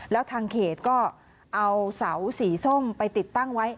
แล้วทางเขตก็เอาเสาสีส้มไปติดตั้งไว้